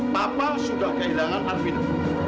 papa sudah kehilangan arvindo